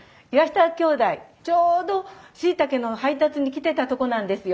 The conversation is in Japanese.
ちょうどしいたけの配達に来てたとこなんですよ。